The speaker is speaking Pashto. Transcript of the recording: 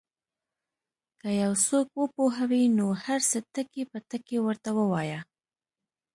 که یو څوک وپوهوې نو هر څه ټکي په ټکي ورته ووایه.